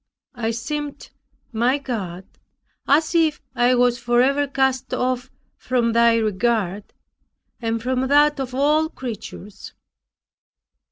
I seemed, my God, as if I was forever cast off from Thy regard, and from that of all creatures.